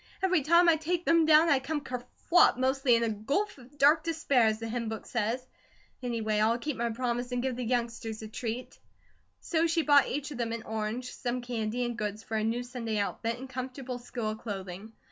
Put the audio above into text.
Every time I take them, down I come kerflop, mostly in a 'gulf of dark despair,' as the hymn book says. Anyway, I'll keep my promise and give the youngsters a treat." So she bought each of them an orange, some candy, and goods for a new Sunday outfit and comfortable school clothing.